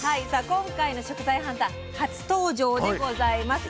今回の食材ハンター初登場でございます。